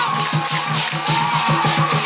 รู้ป่ะพี่